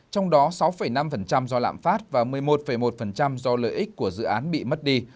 trong đó sáu năm do lạm phát và một mươi một một do lợi ích của dự án bị mất đi